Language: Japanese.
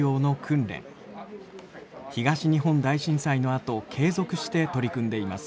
東日本大震災のあと継続して取り組んでいます。